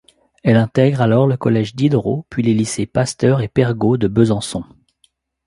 Elle intègre alors le collège Diderot puis les lycées Pasteur et Pergaud de Besançon.